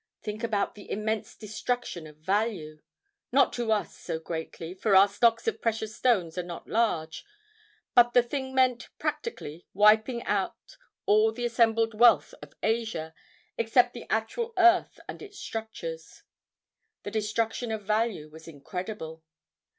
Think about the immense destruction of value—not to us, so greatly, for our stocks of precious stones are not large; but the thing meant, practically, wiping out all the assembled wealth of Asia except the actual earth and its structures. The destruction of value was incredible.